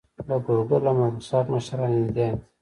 د ګوګل او مایکروسافټ مشران هندیان دي.